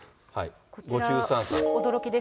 驚きです。